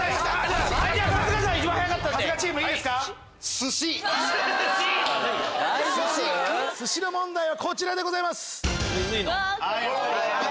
「寿司」の問題はこちらでございます。